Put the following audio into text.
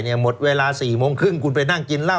แต่หมดเวลาสี่โมงครึ่งคุณไปนั่งกินเล่า